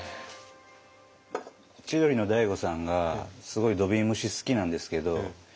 千鳥の大悟さんがすごい土瓶蒸し好きなんですけど。